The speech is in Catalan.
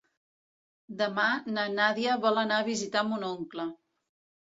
Demà na Nàdia vol anar a visitar mon oncle.